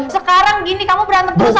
sekarang gini kamu berantem terus